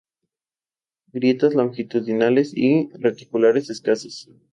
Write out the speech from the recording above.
Grietas longitudinales y reticulares escasas.